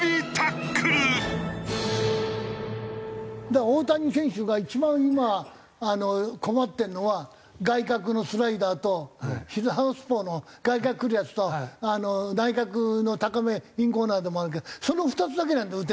だから大谷選手が一番今困ってるのは外角のスライダーとサウスポーの外角くるやつと内角の高めインコーナーでもあるけどその２つだけなんだよ